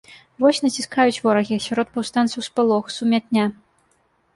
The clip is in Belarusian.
Вось націскаюць ворагі, сярод паўстанцаў спалох, сумятня.